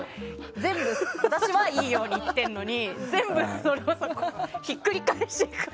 全部、私はいいように言ってるのに全部ひっくり返して。